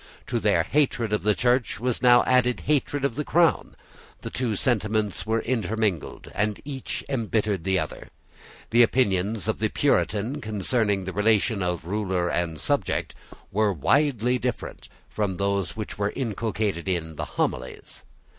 To their hatred of the Church was now added hatred of the Crown. The two sentiments were intermingled; and each embittered the other. The opinions of the Puritan concerning the relation of ruler and subject were widely different from those which were inculcated in the Homilies.